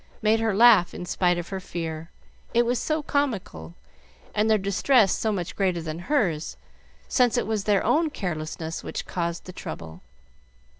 made her laugh in spite of her fear, it was so comical, and their distress so much greater than hers, since it was their own carelessness which caused the trouble.